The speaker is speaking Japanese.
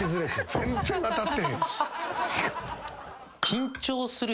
全然当たってへんし。